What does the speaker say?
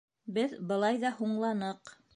Беҙ былай ҙа һуңланыҡ